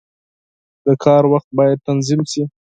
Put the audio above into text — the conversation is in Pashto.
• د کار وخت باید تنظیم شي.